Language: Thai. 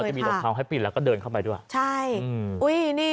จะมีรองเท้าให้ปีนแล้วก็เดินเข้าไปด้วยใช่อืมอุ้ยนี่